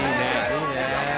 いいね。